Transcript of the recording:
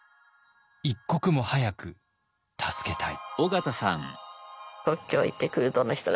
一刻も早く助けたい。